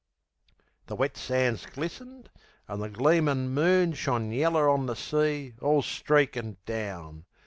The wet sands glistened, an' the gleamin' moon Shone yeller on the sea, all streakin' down.